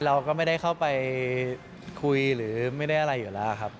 เราก็ไม่ได้เข้าไปคุยหรือไม่ได้อะไรอยู่แล้วครับ